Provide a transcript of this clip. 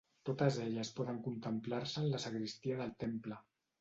Totes elles poden contemplar-se en la sagristia del temple.